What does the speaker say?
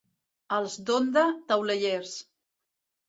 Els d'Onda, taulellers.